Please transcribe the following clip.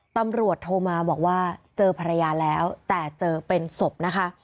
ตำรวจโทรมาบอกว่าเจอภรรยาแล้วแต่เจอเป็นศพนะคะ